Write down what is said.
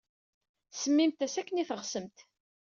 Semmimt-as akken ay teɣsemt.